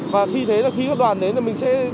và khi thấy các đoàn đến